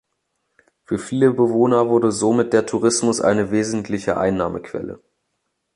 Für viele Bewohner wurde somit der Tourismus eine wesentliche Einnahmequelle.